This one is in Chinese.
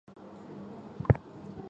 在黑暗中进行